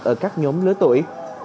ở các nhóm lứa tuổi